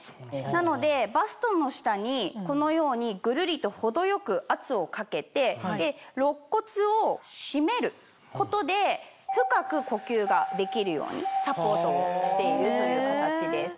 なのでバストの下にこのようにぐるりと程よく圧をかけて肋骨を締めることで深く呼吸ができるようにサポートをしているという形です。